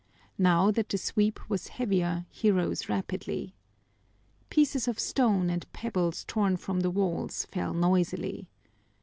Now that the sweep was heavier he rose rapidly. Pieces of stone and pebbles torn from the walls fell noisily.